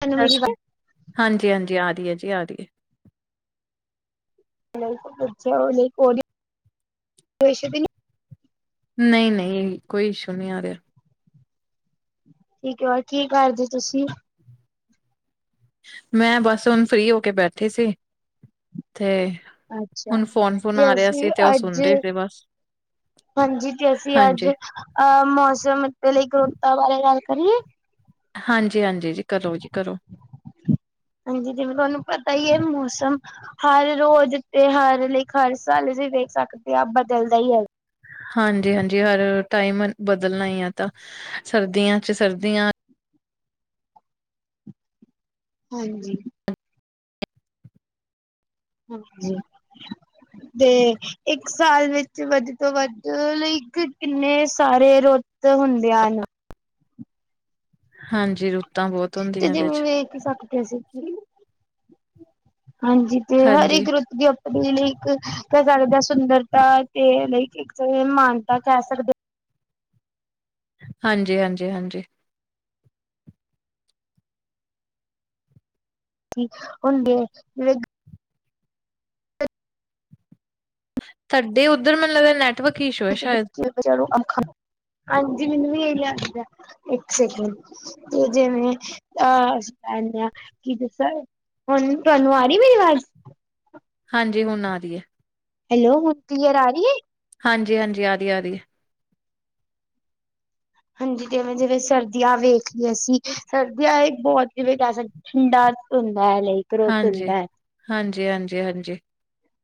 ਤੁਹਾਨੂੰ ਮੇਰੀ ਹਾਂਜੀ, ਹਾਂਜੀ ਆ ਰਹੀ ਹੈ ਜੀ ਆ ਰਹੀ ਹੈ। ਹੋਰ ਸੁਣਾਓ ਜੀ? ਨਈ-ਨਈ ਕੋਈ ਇਸ਼ੂ ਨੀ ਆ ਰੇਆ ਠੀਕ ਔਰ ਕੀ ਕਰਦੇ ਤੁਸੀਂ? ਮੈਂ ਬਸ ਹੁਣ ਫਰੀ ਹੋ ਕੇ ਬੈਠੀ ਸੀ 'ਤੇ ਅੱਛਾ। ਹੁਣ ਫੋਨ ਫੂਨ ਤੇ ਆ ਰਿਆ ਅਸੀਂ ਸੀ 'ਤੇ ਓ ਅੱਜ ਸੁਣਰੀ ਰੇ ਬਸ। ਹਾਂਜੀ 'ਤੇ ਅਸੀਂ ਅੱਜ ਹਾਂਜੀ ਅ ਮੌਸਮ 'ਤੇ ਲਈ ਕਰੋਤਾ ਬਾਰੇ ਗੱਲ ਕਰੀਏ। ਹਾਂਜੀ-ਹਾਂਜੀ ਜੀ ਕਰੋ ਜੀ ਕਰੋ। ਹਾਂਜੀ ਜਿਵੇਂ ਤੁਹਾਨੂੰ ਪਤਾ ਈ ਏ ਮੌਸਮ ਹਰ ਰੋਜ਼ 'ਤੇ ਹਰ ਲੇਖ ਹਰ ਸਾਲ ਜੀ ਵੇਖ ਸਕਦੇ ਆ ਬਦਲਦਾ ਈ ਐ। ਹਾਂਜੀ-ਹਾਂਜੀ ਹਰ ਟਾਈਮ ਬਦਲਣਾ ਈ ਐ ਤਾਂ ਸਰਦੀਆਂ 'ਚ ਸਰਦੀਆਂ ਹਾਂਜੀ। ਹਾਂਜੀ 'ਤੇ ਇੱਕ ਸਾਲ ਵਿੱਚ ਵੱਧ ਤੋਂ ਵੱਧ ਲਈ ਕਿੰਨੇ ਸਾਰੇ ਰੁੱਤ ਹੁੰਦੇ ਹਨ। ਹਾਂਜੀ ਰੁ 'ਤੇ ਜਿਵੇਂ ਵੇਖ ਕੇ ਸਕ ਕੈਸੀ ਜੀ। ਹਾਂਜੀ 'ਤੇ ਹਰ ਹਾਂਜੀ ਇੱਕ ਰੁੱਤ ਦੀ ਆ ਦੇ ਲਈ ਇਕ ਕੈ ਸਕਦੇ ਆ ਸੁੰਦਰਤਾ ਦੇ ਲਈ ਇੱਕ ਮਾਨਤਾ ਕਹਿ ਸਕਦੇ ਹਾਂਜੀ-ਹਾਂਜੀ-ਹਾਂਜੀ। ਸੀ ਹੁੰਦੇ ਜਿਹੜੇ ਤਾਡੇ ਉਧਰ ਮੈਨੂੰ ਲਗਦਾ ਨੈ ਟਵਕ ਈਸ਼ੂ ਐ। ਵਿੱਚ ਬੱਚੇ ਚਲੋ ਅੰਬ ਖਾ, ਹਾਂਜੀ ਮੈਨੂੰ ਵੀ ਏ ਈ ਲੱਗਦਾ ਇੱਕ ਸੈਕਿੰਡ। 'ਤੇ ਜਿਵੇਂ ਅਹ ਅਸੀਂ ਕਹਿੰਨੇ ਆ ਕਿ ਤੁਸ ਹੁਣ ਤੁਹਾਨੂੰ ਆ ਰੀ ਮੇਰੀ ਵਾਜ਼? ਹਾਂਜੀ ਹੁਣ ਆ ਰੀ ਐ। ਹੈਲੋ ਹੁਣ ਕਲਿਅਰ ਆ ਰੀ ਏ। ਹਾਂਜੀ-ਹਾਂਜੀ ਆਰੀ-ਆਰੀ ਏ। ਹਾਂਜੀ ਜਿਵੇਂ-ਜਿਵੇਂ ਸਰਦੀਆਂ ਵੇਖ ਲੈ ਅਸੀਂ ਸਰਦੀਆਂ ਏ ਬਹੁ ਜਿਵੇਂ ਕਹਿ ਸਕ ਡਰ 'ਤੇ ਹੁੰਦਾ ਐ ਲਈ। ਹਾਂਜੀ, ਹਾਂਜੀ-ਹਾਂਜੀ-ਹਾਂਜੀ।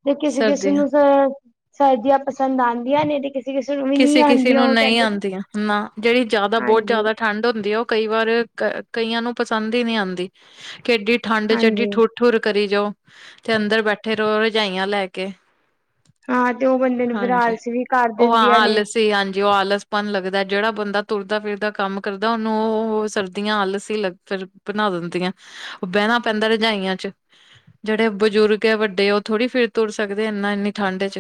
'ਤੇ ਕਿਸੇ-ਕਿਸੇ ਨੂੰ ਫੇਰ ਸਰਦੀਆਂ ਪਸੰਦ ਆਂਦੀਆਂ ਨੇ 'ਤੇ ਕਿਸੇ ਕਿਸੇ ਨੂੰ ਵੀ ਨਹੀਂ ਕਿਸੇ-ਕਿਸੇ ਆਉਂਦੀਆਂ ਨੂੰ ਉਹ ਨਈ ਕਹਿੰਦੇ ਨੇ ਆਂਦੀਆਂ ਨਾ ਜਿਹੜੀ ਜਿਆਦਾ ਬੋ ਹਾਂਜੀ ਜਿਆਦਾ ਠੰਡ ਹੁੰਦੀ ਆ ਓ ਕਈ ਵਾਰ ਕ ਕਈਆਂ ਨੂੰ ਪਸੰਦ ਈ ਨੀ ਆਂਦੀ ਕਿ ਐਡੀ ਠੰਡ 'ਚ ਐਡੀ ਹਾਂਜੀ ਠੁ ਰ ਕਰੀ ਜਾਓ 'ਤੇ ਅੰਦਰ ਬੈਠੇ ਰੋ ਰਜਾਈਆਂ ਲੈ ਕੇ। ਹਾਂ 'ਤੇ ਓ ਬੰਦੇ ਨੂੰ ਫੇਰ ਆਲਸ ਵੀ ਕਰ ਹੋ ਆ ਦਿੰਦੀਆਂ ਨੇ ਆਲਸ 'ਤੇ ਹਾਂਜੀ ਓ ਆਲਸਪਣ ਲੱਗਦਾ ਜਿਹੜਾ ਬੰਦਾ ਤੁਰਦਾ ਫਿਰਦਾ ਕੰਮ ਕਰਦਾ ਉਨੂੰ ਉਹ ਸਰਦੀਆਂ ਆਲਸ ਈ ਲੱਗ ਫੇਰ ਬਣਾ ਦਿੰਦੀਆਂ ਓ ਬਹਿਣਾ ਪੈਂਦਾ ਰਜਾਈਆਂ 'ਚ। ਜਿਹੜੇ ਬਜ਼ੁਰਗ ਐ ਵੱਡੇ ਓ ਥੋੜੀ ਫਿਰ ਤੁਰ ਸਕਦੇ ਏਨਾ ਏਨੀ ਠੰਡ 'ਚ।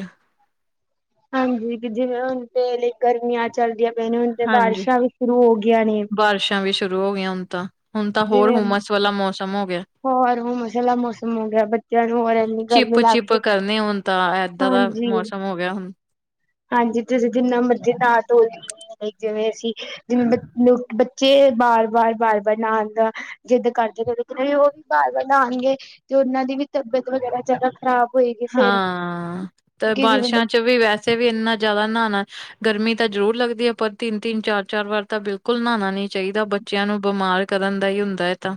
ਹਾਂਜੀ ਜਿਵੇਂ ਹੁਣ 'ਤੇ ਲਈ ਗਰਮੀਆਂ ਚੱਲਦੀਆਂ ਪਈਆਂ ਨੇ ਹੁਣ 'ਤੇ ਹਾਂਜੀ ਬਾਰਿਸ਼ਾਂ ਵੀ ਸ਼ੁਰੂ ਹੋ ਗਈਆਂ ਨੇ। ਬਾਰਿਸ਼ਾਂ ਵੀ ਸ਼ੁਰੂ ਹੋ ਗਈਆਂ ਹੁਣ ਤਾਂ ਹੁਣ ਤਾਂ ਹੋਰ ਜਿਵੇਂ ਹੁਮਸ ਵਾਲਾ ਮੌਸਮ ਹੋ ਗਿਆ। ਹੋਰ ਹੁਮਸ ਆਲਾ ਮੌਸਮ ਹੋ ਗਿਆ ਬੱਚਿਆਂ ਨੂੰ ਹੋਰ ਐਨੀ ਗਰਮੀ ਚਿਪ-ਚਿਪ ਲੱਗਦੀ। ਕਰਨੇ ਹੁਣ ਤਾਂ ਏਦਾਂ ਦਾ ਹਾਂਜੀ ਮੌਸਮ ਹੋ ਗਿਆ ਹੁਣ। ਹਾਂਜੀ ਤੁਸੀਂ ਜਿੰਨਾ ਮਰਜ਼ੀ ਨਾ ਧੋ ਲਈ ਜਿਵੇਂ ਅਸੀਂ ਜਿਵੇਂ ਬ ਲੋ ਬੱ ਜੇ ਬਾਰ-ਬਾਰ-ਬਾਰ-ਬਾਰ ਨਾਣ ਦਾ ਜਿੱਦ ਕਰਦੇ ਵੇ ਵਿਚ ਏ ਵੀ ਓ ਬਾਰ-ਬਾਰ ਨਾਣਗੇ 'ਤੇ ਉਨਾਂ ਦੀ ਵੀ ਤਬੀਅਤ ਵਗੈਰਾ ਜਿਆਦਾ ਹਾਂ, ਤੇ ਕਿ ਜਿਵੇਂ ਬਾਰਿਸ਼ਾਂ ਚ ਵੀ ਵੈਸੇ ਵੀ ਇੰਨਾ ਜ਼ਿਆਦਾ ਨਹਾਣਾ ਗਰਮੀ ਤਾਂ ਜ਼ਰੂਰ ਲੱਗਦੀ ਹੈ, ਪਰ ਤਿੰਨ- ਤਿੰਨ ਚਾਰ -ਚਾਰ ਵਾਰ ਤਾਂ ਬਿਲਕੁਲ ਨਹਾਉਣਾ ਨੀ ਚਾਹੀਦਾ। ਬੱਚਿਆਂ ਨੂੰ ਬਿਮਾਰ ਕਰਨ ਦਾ ਹੀ ਹੁੰਦਾ ਹੈਏ ਤਾਂ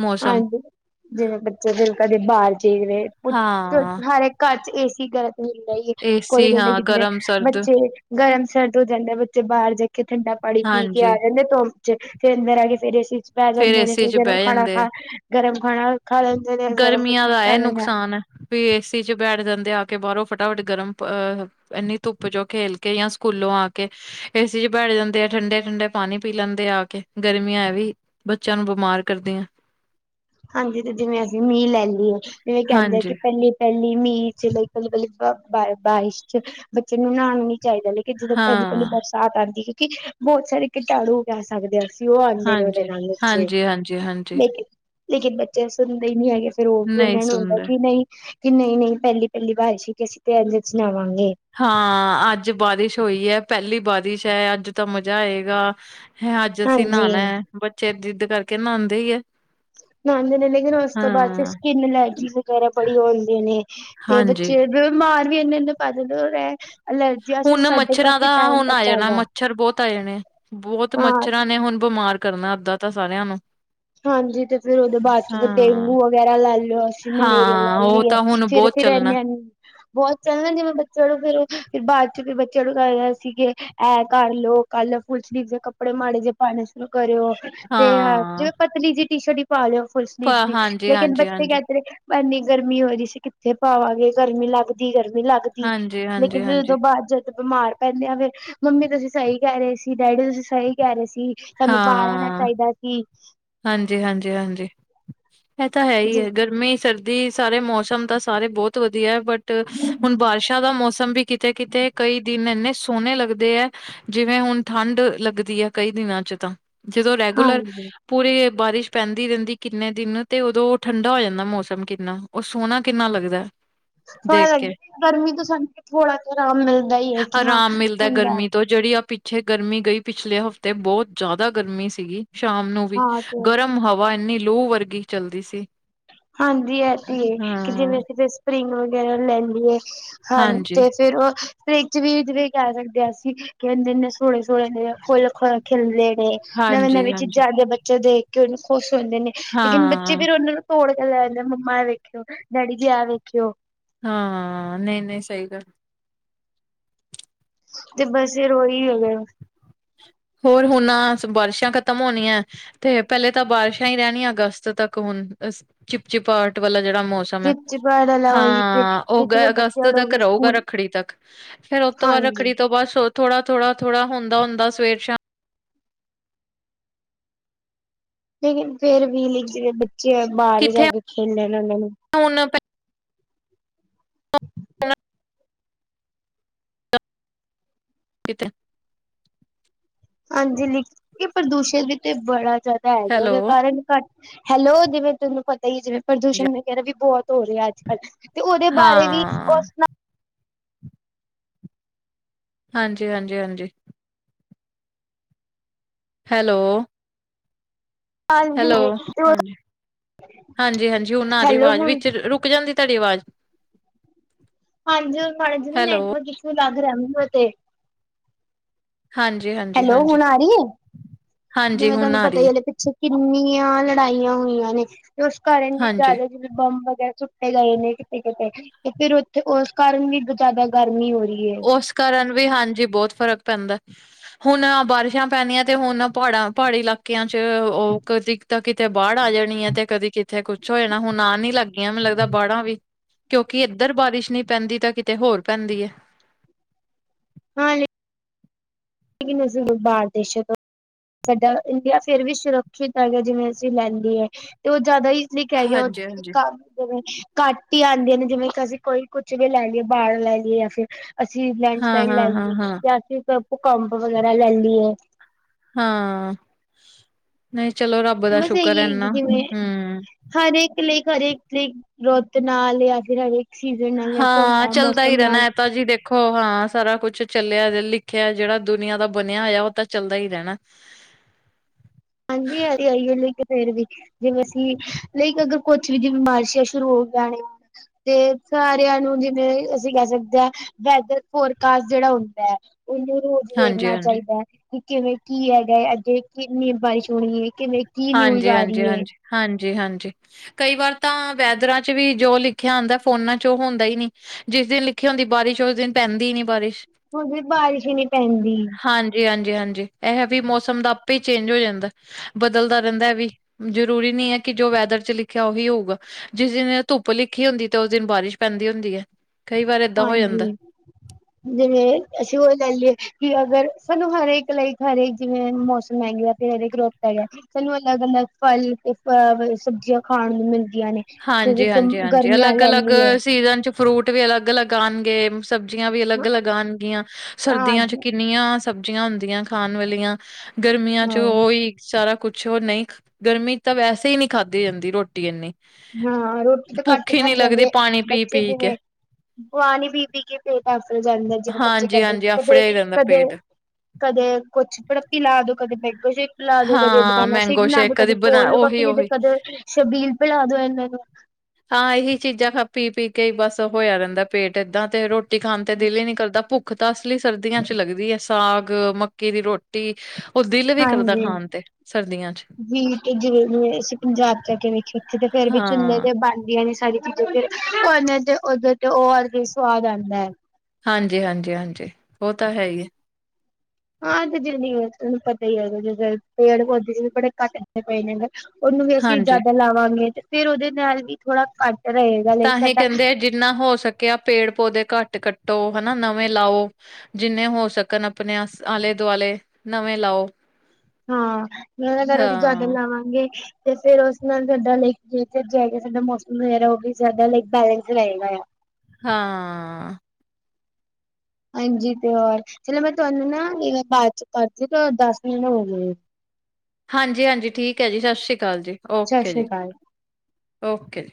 ਮੌਸਮ। ਹਾਂਜੀ, ਜਿਵੇਂ ਬੱਚੇ ਦਿਲ ਕਰੇ ਬਾਹਰ ਜੀ ਰਹੇ, ਹਾਂ ਹਰ ਇੱਕ ਘਰ ਚ ਏ ਸੀ ਗ ਦਾ ਹੀ ਕੋਈ ਏਸੀ ਮਿਲ ਹਾਂ ਕਿ ਜਿਵੇਂ ਗਰਮ ਸਰਦ ਬੱਚੇ ਗਰਮ ਸਰਦ ਹੋ ਜਾਂਦੇ ਬੱਚੇ, ਬਾਹਰ ਜਾ ਕੇ ਠੰਡਾ ਪਾਣੀ ਪੀ ਕੇ ਆ ਹਾਂਜੀ ਜਾਂਦੇ। ਧ ਚ ਫੇਰ ਅੰਦਰ ਆਕੇ ਫੇਰ ਏਸੀ ਚ ਪੈ ਜਾਂਦੇ ਨੇ, ਏਸੀ ਫੇਰ ਚ ਗਰਮ ਬਹਿ ਖਾਣਾ ਜਾਂਦੇ ਆ। ਖਾ ਗਰਮ ਖਾਣਾ ਖਾ ਲੈਂਦੇ। ਨੇ ਗਰਮ ਕੁ ਗਰਮੀਆਂ ਦਾ ਖਾ ਇਹ ਲੈਂਦੇ ਨੁਕਸਾਨ। ਵੀ ਏਸੀ ਚ ਬੈਠ ਜਾਂਦੇ ਆ ਕੇ ਬਾਹਰੋਂ, ਫਟਾਫਟ ਗਰਮ ਅਹ ਇੰਨੀ ਧੁੱਪ ਚ ਖੇਲ ਕੇ ਜਾਂ ਸਕੂਲੋਂ ਆ ਕੇ ਏਸੀ ਚ ਬੈਠ ਜਾਂਦੇ ਆ, ਠੰਡੇ- ਠੰਡੇ ਪਾਣੀ ਪੀ ਲੈਂਦੇ ਆ- ਆ ਕੇ ਗਰਮੀਆਂ ਐ ਵੀ ਬੱਚਿਆਂ ਨੂੰ ਬਿਮਾਰ ਕਰਦੀਆਂ। ਹਾਂਜੀ, ਤੇ ਜਿਵੇਂ ਅਸੀਂ ਮੀਂਹ ਲੈ ਲਈਏ, ਜਿਵੇਂ ਕਹਿੰਦੇ ਆ ਕਿ ਹਾਂਜੀ ਪਹਿਲੀ ਪਹਿਲੀ ਮੀਂਹ ਚ ਇਕੱਲੀ -ਇਕੱਲੀ ਬਾਰਿਸ਼ ਚ ਬੱਚੇ ਨੂੰ ਨਹਾਣਾ ਨੀ ਚਾਹੀਦਾ। ਕਿ ਜਦੋਂ ਪਹਿਲੀ -ਪਹਿਲੀ ਹਾਂ ਬਰਸਾਤ ਆਉਂਦੀ ਸੀ, ਕਿ ਬਹੁਤ ਸਾਰੇ ਕੀਟਾਣੂ ਉਗਾ ਸਕਦੇ ਅਸੀਂ। ਵੀ ਉਹ ਆਉਂਦੇ ਨੇ ਉਹਦੇ ਹਾਂਜੀ ਨਾਲ ਮਛਰ ਹਾਂਜੀ ਹਾਂਜੀ ਹਾਂਜੀ ਲੇ। ਲੇਕਿਨ ਬੱਚੇ ਸੁਣਦੇ ਹੀ ਨਹੀਂ ਹੈਗੇ, ਫੇਰ ਉਹ ਵੀ ਨਹੀਂ ਉਹਨਾਂ ਨੂੰ ਹੁੰਦਾ ਸੁਣਦੇ ਕਿ ਨਹੀਂ ਕਿ ਨਹੀਂ- ਨਹੀਂ ਪਹਿਲੀ -ਪਹਿਲੀ ਬਾਰਿਸ਼ ਵਿਚ ਅਸੀਂ ਤੇ ਇੰਦੇ ਚ ਨਾਵਾਂਗੇ। ਹਾਂ, ਅੱਜ ਬਾਰਿਸ਼ ਹੋਈ ਹੈ, ਪਹਿਲੀ ਬਾਰਿਸ਼ ਹੈ, ਅੱਜ ਤਾਂ ਮਜ਼ਾ ਆਏਗਾ। ਹੈ, ਅੱਜ ਅਸੀਂ ਨਹਾਉਣਾ ਹਾਂਜੀ ਹੈ, ਬੱਚੇ ਜਿੱਦ ਕਰਕੇ ਨਹਾਉਂਦੇ ਹੀ ਏ। ਨਹਾਉਂਦੇ ਨੇ, ਲੇਕਿਨ ਉਸ ਤੋਂ ਬਾਅਦ ਫਿਰ ਸਕਿੰਨ ਲੈਟ ਵਗੈਰਾ ਬੜੀ ਹੁੰਦੇ ਨੇ। ਹਾਂਜੀ। ਮਾਰ ਵੀ ਇਹਨੇ -ਇਹਨੇ ਪੈਸੇ ਦਿੰਦੇ ਹੋਣੇ। ਹੁਣ ਮੱਛਰਾਂ ਦਾ ਹੁਣ ਆ ਜਾਣਾ, ਚੱਲਦਾ ਮੱਛਰ ਬਹੁਤ ਆ ਜਾਣੇ। ਬਹੁਤ ਹਾਂ ਮੱਛਰਾਂ ਨੇ ਹੁਣ ਬਿਮਾਰ ਕਰਨਾ ਉਦਾਂ ਤਾਂ ਸਾਰਿਆਂ ਨੂੰ। ਹਾਂਜੀ, ਤੇ ਫੇਰ ਉਹਦੇ ਬਾਅਦ ਚ ਹਾਂ। ਡੇਂਗੂ ਵਗੈਰਾ ਲੈ ਲਿਓ, ਅਸੀਂ ਮਲੇਰੀਆ ਹਾਂ ਲੈ ਉਹ ਲਈਏ। ਤਾਂ ਹੁਣ ਫਿਰ- ਬਹੁਤ ਫਿਰ ਆਨ ਚੱਲਣਾ -ਆਨੀ। ਬਹੁਤ ਸ ਜਿਵੇਂ ਬੱਚਿਆਂ ਨੂੰ, ਫਿਰ ਬਾਅਦ ਬੱਚਿਆਂ ਨੂੰ ਗਾਇਆ ਸੀਗੇ। ਆ ਕਰ ਲੋਓ, ਓ ਕਰਲੋ, ਫੁਲ ਸਲੀਫ ਜੇ ਕੱਪੜੇ ਮਾੜੇ ਜਿਹੇ ਪਾਉਣੇ ਸ਼ੁਰੂ ਕਰਿਓ। ਤੇ ਹਾਂ, ਜਿਵੇਂ ਪਤਲੀ ਜੀ ਟੀ ਸ਼ਰਟ ਹੀ ਪਾ ਲਿਓ ਫੁੱਲ ਸਲੀਵ ਦੀ, ਹਾਂਜੀ, ਲੇਕਿਨ ਹਾਂਜੀ, ਬੱਚ ਹਾਂਜੀ, ਕਹਿ ਰ ਇੰਨੀ ਗਰਮੀ ਹੋ ਰਹੀ ਸੀ, ਕਿੱਥੇ ਪਾਵਾਂਗੇ, ਗਰਮੀ ਲੱਗਦੀ- ਗਰਮੀ ਲੱਗਦੀ। ਜੀ ਹਾਂਜੀ, ਹਾਂਜੀ, ਲੇਕਿਨ ਉਹੋਂ ਹਾਂਜੀ, ਬਾਅਦ ਚ ਬਿਮਾਰ ਪੈਂ ਜਾਵੇ, ਫਿਰ ਮੰਮੀ ਤੁਸੀਂ ਸਹੀ ਕਹਿ ਰਹੇ ਸੀ, ਡੈਡੀ ਤੁਸੀਂ ਸਹੀ ਕਹਿ ਰਹੇ ਸੀ। ਹਾਂ ਸਾਨੂੰ ਬਾਹਰ ਆਣਾ -ਹਾਂ- ਹਾਂ ਚਾਹੀਦਾ ਸੀ -ਹਾਂ ਹਾਂਜੀ- ਹਾਂਜੀ- ਹਾਂਜੀ। ਇਹ ਤਾਂ ਹੈ ਈ ਜਿਸ ਹੈ ਗਰਮੀ ਸਰਦੀ ਦੀ, ਸਾਰੇ ਮੌਸਮ ਤਾਂ ਸਾਰੇ ਬਹੁਤ ਵਧੀਆ ਹੈ, ਬਟ ਹੁਣ ਬਾਰਿਸ਼ਾਂ ਦਾ ਮੌਸਮ ਵੀ ਕਿਤੇ -ਕਿਤੇ ਕਈ ਦਿਨ ਇੰਨੇ ਸੋਹਣੇ ਲੱਗਦੇ ਹੈ, ਜਿਵੇਂ ਹੁਣ ਠੰਡ ਲੱਗਦੀ ਹੈ ਕਈ ਦਿਨਾਂ ਚ ਤਾਂ ਜਦੋਂ ਰੈਗੂਲਰ ਹਾਂਜੀ ਪੂਰੀ ਬਾਰਿਸ਼ ਪੈਂਦੀ ਰਹਿੰਦੀ ਕਿੰਨੇ ਦਿਨ, ਤੇ ਉਦੋਂ ਠੰਡਾ ਹੋ ਜਾਂਦਾ ਮੌਸਮ ਕਿੰਨਾ। ਉਹ ਸੋਹਣਾ ਕਿੰਨਾ ਲੱਗਦਾ। ਪਰ ਦੇਖ ਕੇ ਗਰਮੀ ਤੋਂ ਸਾਨੂੰ ਥੋੜ੍ਹਾ ਜ ਆਰਾਮ ਮਿਲਦਾ ਹੀਏ ਕਿ ਹਾਂ ਆਰਾਮ ਮਿਲਦਾ ਹੁੰਦਾ। ਗਰਮੀ ਤੋਂ ਜਿਹੜੀ ਆ ਪਿੱਛੇ ਗਰਮੀ ਗਈ ਪਿਛਲੇ ਹਫ਼ਤੇ ਬਹੁਤ ਜ਼ਿਆਦਾ ਗਰਮੀ ਸੀ। ਗੀ, ਸ਼ਾਮ ਨੂੰ ਵੀ ਹਾਂ ਤੇ ਗਰਮ ਹਵਾ ਇੰਨੀ ਲੋ ਵਰਗੀ ਚਲਦੀ ਸੀ। ਹਾਂਜੀ, ਇਹ ਤੇ ਕਿ ਹਾਂ ਜਿਵੇਂ ਅਸੀਂ ਫਿਰ ਸਪਰਿੰਗ ਵਗੈਰਾ ਲੈਂਦੀਏ। ਹਾਂ ਹਾਂਜੀ ਤੇ ਫਿਰ ਉਹ ਫ੍ਰੀ ਚ ਵੀ ਕਹਿ ਸੱਕਦੇ ਆਂ ਅਸੀ ਕੇ ਐਣੇ ਐਣੇ ਸੋਣੇ ਸੋਣੇ ਦੇ ਫੁੱਲ ਖ ਖਿਲੇ ਨੇ ਨਵੇਂ, ਨਵੇਂ ਹਾਂਜੀ-ਹਾਂਜੀ, ਚੀਜ਼ਾਂ ਆਦੇ ਬੱਚੇ ਦੇਖ ਕੇ ਉਹਨੂੰ ਖੁਸ਼ ਹੁੰਦੇ ਨੇ, ਲੇਕਿਨ ਬੱਚੇ ਹਾਂ-ਹਾਂ, ਫਿਰ ਉਹਨਾਂ ਨੂੰ ਤੋੜ ਕੇ ਲੈ ਆਦੇ, ਮੰਮਾ ਐ ਵੇਖਿਓ ਡੈਡੀ ਜੀ ਐ ਵੇਖਿਓ ਹਾਂ, ਨਹੀਂ ਨਹੀਂ ਸਹੀ ਗੱਲ ਤੇ ਬਸ ਇਹ ਰੋ ਈ ਹੋਜਾਏਗਾ ਹੋਰ ਹੁਣ ਨਾ ਬਾਰਿਸ਼ਾਂ ਖ਼ਤਮ ਹੋਣੀਆਂ ਤੇ ਪਹਿਲੇ ਤਾਂ ਬਾਰਿਸ਼ਾਂ ਹੀ ਰਹਿਣੀਆਂ ਅਗਸਤ ਤੱਕ ਹੁਣ, ਅ ਚਿਪਚਿਪਾਟ ਵਾਲਾ ਜੇੜਾ ਮੌਸਮ ਚਿਪਚਿਪਾ ਵਾਲਾ ਉਹੀ ਤੇ ਹਾਂ ਉਹ ਜਿਵੇਂ ਅਗਸਤ ਬੱਚਿਆਂ ਨੂੰ ਤੱਕ ਵੀ ਰਹੂਗਾ ਸਕੂਲ ਰੱਖੜੀ ਤੱਕ ਫੇਰ ਉਹ ਤੋਂ ਬਾਅਦ ਹਾਂਜੀ ਰੱਖੜੀ ਤੋਂ ਬਾਅਦ ਥੋੜ੍ਹਾ ਥੋੜ੍ਹਾ ਥੋੜ੍ਹਾ ਹੁੰਦਾ ਹੁੰਦਾ ਸਵੇਰ ਸ਼ਾਮ ਲੇਕਿਨ ਫੇਰ ਵੀ ਨੀਚੇ ਬੱਚੇ ਐ, ਬਾਹਰ ਹੀ ਜਾ ਕਿੱਥੇ ਕੇ ਖੇਲਨਾ ਨਾ ਉਨ੍ਹਾਂਨੂੰ ਹੁਣ ਪ ਕੀਤੇ ਹਾਂਜੀ ਲਿਖ ਪ੍ਰਦੂਸ਼ਣ ਵੀ ਤੇ ਬੜਾ ਜ਼ਿਆਦਾ ਹੈਗਾ ਹੈਲੋ, ਉਹਦੇ ਕਾਰਨ ਘੱਟ ਹੈਲੋ ਜਿਵੇਂ ਤੁੈਨੂੰ ਪਤਾ ਹੀ ਜਿਵੇਂ ਪ੍ਰਦੂਸ਼ਣ ਵਗੈਰਾ ਵੀ ਬਹੁਤ ਹੋ ਰਿਹਾ ਅਜਕਲ ਤੇ ਉਹਦੇ ਬਾਰੇ ਵੀ ਉਹ ਹਾਂ। ਹਾਂਜੀ ਹਾਂਜੀ ਹਾਂਜੀ ਹੈਲੋ ਨਾਲ ਹੈਲੋ ਜਿਵੇਂ ਹਾਂਜੀ ਹਾਂਜੀ ਹਾਂਜੀ ਹੁਣ ਆਰ ਹੀ ਹੈਲੋ ਆਵਾਜ਼ ਹੁਣ ਵਿੱਚ ਰੁਕ ਜਾਂਦੀ ਤੁਹਾਡੀ ਆਵਾਜ਼ ਹਾਂਜੀ ਹਾਂਜੀ ਹੈਲੋ। ਨੈਟਵਰਕ ਇਸ਼ੂ ਲੱਗ ਰਿਹਾ ਮੈਂਨੂੰ ਏ ਤੇ ਹਾਂਜੀ ਹਾਂਜੀ ਹੈਲੋ ਹਾਂਜੀ, ਹੁਣ ਆਰ ਹੀ ਹੈ, ਹਾਂਜੀ ਜਿਵੇਂ ਹੁਣ ਤੁਹਾਨੂੰ ਆ ਪਤਾ ਰਹੀ ਹੀ ਹੈ ਹਲੇ ਪਿੱਛੇ ਕਿੰਨੀਆਂ ਲੜਾਈਆਂ ਹੋਈਆਂ ਨੇ ਤੇ ਉਸ ਕਾਰਨ ਹਾਂਜੀ ਜ਼ਿਆਦੇ ਜਿਵੇੰ ਬੰਬ ਵਗੈਰਾ ਸੁਟੇ ਜਾਂਦੇ ਨੇ ਕਿਥੇ ਕਿਥੇ ਤੇ ਫਿਰ ਉਥੇ ਉਸ ਕਾਰਨ ਵੀ ਜਿਆਦਾ ਗਰਮੀ ਹੋ ਰਹੀ ਹੈ ਉਸ ਕਾਰਨ ਵੀ ਹਾਂਜੀ ਬਹੁਤ ਫ਼ਰਕ ਪੈਂਦਾ, ਹੁਣ ਆ ਬਾਰਿਸ਼ਾਂ ਪੈਂਨੀਆਂ, ਤੇ ਹੁਣ ਨਾ ਪਹਾੜਾਂ ਪਹਾੜੀ ਇਲਾਕੇ ਇਲਾਕੇਆਂ ਚ ਉਹ ਕਦੀ ਤਾਂ ਕਿਤੇ ਬਾਹੜ ਆ ਜਾਣੀ ਹੈ, ਤੇ ਕਦੀ ਕਿਤੇ ਕੁਛ ਹੋ ਜਾਣਾ ਹੁਣ ਆ ਨੀ ਲੱਗ ਟਾਈਮ ਲੱਗਦਾ ਬਾੜਾਂ ਵੀ, ਕਿਉਂਕਿ ਇੱਧਰ ਬਾਰਿਸ਼ ਨਹੀਂ ਪੈਂਦੀ ਤਾਂ ਕਿਤੇ ਹੋਰ ਪੈਂਦੀ ਹੈ ਹਾਂਜੀ ਏਨੀ ਹੋ ਸਕ ਬਾਹਰ ਦੇਸ਼ਾ ਤੋ ਸਾਡਾ ਇੰਡੀਆ ਫੇਰ ਵੀ ਸੁਰੱਖਸਿ਼ਤ ਹੈਗਾ ਜਿਵੇਂ ਅਸੀਂ ਲੈਂਦੀ ਐ, ਤੇ ਓਹ ਜੈਯਾਦਾ ਈ ਨੀ ਕੈ ਗਿਆ ਹਾਂਜੀ, ਓਥੇ ਤੇ ਹਾਂਜੀ ਕੰਮ ਈ ਬਰੇ ਨੇ। [inaudible] ਘੱਟ ਈ ਆੰਦੀਆਂ ਨੇ ਜਿਵੇਂ ਕਿ ਅਸੀਂ ਕੋਈ ਕੁਛ ਵੀ ਲੈ ਲੀਏ, ਬਾੜ ਲੈ ਲੀਏ ਯਾ ਫੇਰ ਅਸੀਂ ਲੈਂਡ ਹਾਂ, ਸਲਾਈਡ ਲੈ ਹਾਂ, ਹਾਂ, ਲੀਏ, ਹਾਂ, ਯਾ ਅਸੀਂ ਭੂਕੰਪ ਵਗੈਰਾ ਲੈ ਲੀਏ। ਹਾਂ, ਨਹੀਂ ਚਲੋ ਰੱਬ ਦਾ ਸ਼ੁਕਰ ਐ ਏਨਾ, ਹੂ। ਹਰ ਏਕ ਲੇਖ, ਹਰ ਏਕ ਲੇਖ, ਰੋਤ ਤੇ ਨਾਲ ਯਾ ਫਿਰ ਹਰਏਕ ਸੀਜਨ ਨਾਲ ਯਾ ਮੌਸਮ ਨਾਲ। ਭਾਜੀ ਦੇਖੋ ਹਾਂ ਸਾਰਾ ਕੁਛ ਚੱਲਿਆ ਜੇ ਲਿਖਿਆ ਜੇੜਾ ਦੁਨੀਆਂ ਦਾ ਬਣਿਆ ਹੋਯੈ, ਓਹ ਤਾਂ ਚੱਲਦਾ ਈ ਰੈਣੈ। [inaudible] ਹਾਂਜੀ ਹ ਤੇ ਔਈਓ ਲਿਂਕ ਫੇਰ ਵੀ, ਜਿਵੇਂ ਅਸੀਂ ਲਈ ਕ ਅਗਰ ਕੁਛ ਵੀ ਜਿਵੇਂ ਬਾਰਿਸ਼ਾਂ ਸ਼ੁਰੂ ਹੋ ਗਈਆਂ ਨੇ। ਤੇ ਸਾਰੇਆਂ ਨੂੰ ਜਿਵੇਂ ਅਸੀਂ ਕਹ ਸਕਦੇ ਆਂ ਵੈਦਰ ਫੋਰਕਾਸਟ ਜੇੜਾ ਹੁੰਦੈ। ਉਹਨੂੰ ਜਿ ਵੇਖਨਾ ਹਾਂਜੀ-ਹਾਂਜੀ, ਚਾਈਦੈ ਕਿ ਕਿਵੇਂ ਕੀ ਹੈਗਾ ਏ, ਅੱਗੇ ਕਿੰਨੀ ਬਾਰਿਸ਼ ਹੋਣੀ ਏ, ਕਿਨੇਂ ਕੀ, ਨੀਊਲ ਗਾ ਹਾਂਜੀ-ਹਾਂਜੀ, ਰੀ ਏ। ਹਾਂਜੀ- ਹਾਂਜੀ ਕਈ ਵਾਰ ਤਾਂ ਵੈਦਰਾਂ ਚ ਵੀ ਜੋ ਲਿਖਿਆ ਆਂਦਾ, ਫੋਨਾਂ ਚ, ਓਹ ਹੁੰਦਾ ਈ ਨੀ। ਜਿਸ ਦਿਨ ਲਿਖੀ ਹੁੰਦੀ ਬਾਰਿਸ਼, ਔਸ ਦਿਨ ਪੈਂਦੀ ਈ ਨੀ ਬਾਰਿਸ਼। ਹੁਣ ਵੀ ਬਾਰਿਸ਼ ਹੀ ਨੀ ਪੈਂਦੀ। ਜੀ ਹਾਂਜੀ- ਹਾਂਜੀ, ਐਹ ਵੀ ਮੌਸਮ, ਦਾ ਆਪੇ ਈ ਚੇਂਜ ਹੋ ਜਾਂਦੈ ਬ ਬਦਲਦਾ ਰੈੰਦੈ ਐਵੀ, ਜਰੂਰੀ ਨੀ ਐ ਕਿ ਜੋ ਵੈਦਰ ਚ ਲਿਖਿਆ ਓਹੀ ਹੋਊਗਾ। ਜਿਸ ਦਿਨ ਏ, ਧੁੱਪ ਲਿਖੀ ਹੁੰਦੀ ਏ ਤੇ ਓਸ ਦਿਨ ਬਾਰਿਸ਼ ਪੈਂਦੀ ਹੁੰਦੀ ਐ। ਕਈ ਵਾਰ ਏਦਾਂ ਹੋ ਜਾਂਦਾ। ਹਾਂਜੀ ਜਿਵੇਂ, ਅਸੀਂ ਓਹ ਲਾਈਏ ਕਿ ਅਗਰ ਸਾਨੂੰ ਹਰੇਕ ਲਾਈਕ ਹਰੇਕ ਜਿਵੇਂ, ਮੌਸਮ ਹੈਗੇ ਆ ਇਨਾਦੇ ਗਰੋਪ ਹੈਗੈ, ਸਾਨੂੰ ਅਲੱਗ-ਅਲੱਗ ਫਲ ਤੇ ਫਵੇ ਸਬਜ਼ੀਆਂ, ਖਾਣ ਨੂੰ ਮਿਲਦੀਆਂ ਨੇ। ਜਿਵੇਂ ਗਮ ਹਾਂਜੀ-ਹਾਂਜੀ, ਹਾਂਜੀ ਗਰਮੀਆਂ ਲੈ ਅਲੱਗ-ਅਲੱਗ ਲਈਏ ਸੀਜ਼ਨ ਚ ਫਰੂਟ ਵੀ ਅਲੱਗ-ਅਲੱਗ ਆਣਗੇਂ, ਸਬਜ਼ੀਆਂ ਵੀ ਹਾਂ ਅਲੱਗ-ਅਲੱਗ ਆਣਗੀਆਂ, ਸਰਦੀਆਂ ਚ ਕੀ ਇਨੀਆਂ ਸਬਜ਼ੀਆਂ ਹੁੰਦੀਐ ਖਾਣ ਵਾਲੀਆਂ, ਗਰਮੀਆਂ ਚ ਹਾਂ ਓਈ ਸਾਰਾ ਕੁਛ ਕੁਛੋ ਨਹੀਂ, ਗਰਮੀ ਤਾਂ ਵੈਸੇ ਈ ਨੀਂ ਖਾਧੀ ਜਾਂਦੀ ਰੋਟੀ ਏਨੀ। ਹਾਂ, ਰੋਟੀ ਤਾਂ ਘੱਟ ਤੋ ਖਾਂਦੀ ਜਾਂਦੀ ਏਂ, ਪਾਣੀ ਬੱਚੇ ਪੀ-ਪੀ ਕੇ ਜਿਵੇਂ ਔ ਆਣੀ ਪੀਪੀ ਕੇ ਪੇਟ ਆਫਲ ਜਾਂਦੈ, ਜਿਵੇਂ ਬੱਚੇ ਹਾਂਜੀ, ਕਰਦੇਣ ਹਾਂਜੀ ਕਦੇ ਆਫੜਿਆ ਹੀ ਰਹਿੰਦਾ ਕਦੇ ਪੇਟ। ਕਦੇ ਕੁਛ ਪੜੱਪੀ ਲਾਦੋ, ਕਦੇ ਬੈੰਗੋ ਸੇ਼ਕ ਪਿਲਾ ਦੋ, ਕਦੇ ਏ ਹਾਂ, ਦੂਕਾਨਾ, ਸਵੀਟ ਮੈਂਗੋ ਬਣਾ ਦੋ, ਸ਼ੇਕ ਕਦੀ ਬਣਾ ਕੋਲਫਡ, ਕੋਫੀ ਉਹੀ, ਨੀ ਤੇ ਉਹੀ ਕਦੇ ਸ਼ਬੀਲ ਪੀ ਲਾ ਦੋ, ਐਨਾਂ ਨੂੰ ਹਾਂ, ਐਹੀ ਚੀਜ਼ਾਂ ਖਫ ਪੀ-ਪੀ ਬਸ ਹੋਇਆ ਰੈੰਦਾ, ਪੇਟ ਏਦਾਂ ਤੇ ਰੋਟੀ ਰੋਟੀ ਖਾਣ ਤੇ ਦਿਲ ਹੀ ਨੀ ਕਰਦਾ, ਭੁੱਖ ਤਾਂ ਅਸਲੀ ਸਰਦੀਆਂ ਚ ਲੱਗਦੀ ਐ। ਸਾਗ, ਮੱਕੀ ਦੀ ਰੋਟੀ ਕਿਵੇਂ, ਕਰਦੈ ਕਿ ਖਾਣ ਤੇ ਸਰਦੀਆਂ ਚ ਵੀ ਤੇ ਜਿਵੇਂ, ਅਸੀਂ ਪੰਜਾਬ ਚ ਆ ਕੇ ਵੇਖੇ ਉੱਥੇ ਤੇ ਫੇਰ ਵੀ ਚੂਲੇ ਹਾਂ ਤੇ ਬਣਦੀਆਂ ਨੇ ਸਾਰੀ ਓਹਨੇ ਤੇ ਓਦੇ ਤੇ ਓ ਵਰਗੈ ਈ, ਸਵਾਦ ਆੰਦੈ। ਹਾਂਜੀ-ਹਾਂਜੀ, ਹਾਂਜੀ ਓਹ ਤਾਂ ਹੈ ਈ ਏ। ਹਾਂ ਤੇ ਜਿੜੀ ਏ ਥੋਨੂੰ ਪਤਾ ਈ ਹੈਗਾ, ਜੇ ਪੇੜ-ਪੌੇਦੇ ਵੀ ਬੜੇ ਘੱਟਦੇ ਪਏ ਨੇ ਨਾ। ਓਨੂੰ ਵੀ ਅਸੀਂ ਹਾਂਜੀ ਜੈਦਾ ਲਾਵਾਂਗੇ ਤੇ ਫੇਰ ਉਦੇ ਨਾਲ ਵੀ ਥੋੜਾ ਘੱਟ ਰਏ। ਤਾਂ ਹੇ ਕੈੰਦੇ ਐ, ਜਿੰਨਾ ਹੋ ਸਕੇਆ ਪੇੜ-ਪੌਦੇ ਘੱਟ ਕੱਟੋ ਹਨਾ, ਨਵੇਂ ਲਾਓ। ਜਿੰਨੇ ਹੋ ਸਕਣ, ਅਪਣੇ ਆਸ ਆਲੇ-ਦੁਆਲੇ ਨਵੇਂ ਲਾਓ। ਹਾਂ, ਨਵੇਂ ਅਗਰ ਅਸੀਂ ਜੈਦਾ ਹਾਂ ਲਾਵਾਂਗੇ ਤੇ ਫੇਰ ਓਸ ਨਾਲ ਸਾਡਾ ਲੇਕ ਜਚ ਜਾਏਗਾ, ਸਾਡਾ ਮੌਸਮ ਵਗੈਰਾ ਓਹ ਵੀ ਜੈਦਾ ਲਾਈਕ ਬੈਲੈਂਸ ਰਹੇਗਾ ਆ। ਹਾਂ ਹਾਂਜੀ ਤੇ ਹੋਰ, ਚਲੋ ਮੈਂ ਤੁਐਨੂੰ ਨਾ ਬਾਦ ਚ ਕਰਦੀ ਔ, ਦਸ ਮਿੰਨ ਹੋ ਗੇ। ਹਾਂਜੀ -ਹਾਂਜੀ, ਠੀਕ ਹੈ ਜੀ ਸਤ ਸ਼੍ਰੀ ਕਾਲ ਜੀ, ਸਤਿ ਓਕੇ ਸ਼੍ਰੀ ਜੀ ਅਕਾਲ। ਓਕੇ ਜੀ।